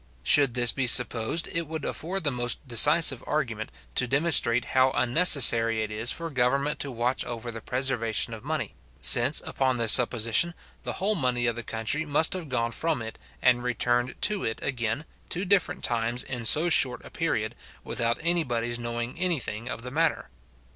Should this be supposed, it would afford the most decisive argument, to demonstrate how unnecessary it is for government to watch over the preservation of money, since, upon this supposition, the whole money of the country must have gone from it, and returned to it again, two different times in so short a period, without any body's knowing any thing of the matter.